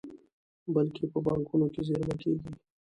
بلکې په بانکونو کې زېرمه کیږي.